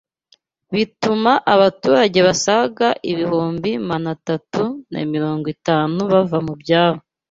bituma abaturage basaga ibihumbi manatatu na mirongwitanu bava mu byabo